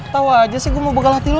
tau aja sih gue mau begal hati lu